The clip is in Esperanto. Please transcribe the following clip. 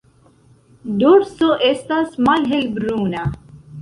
Dorso estas malhelbruna.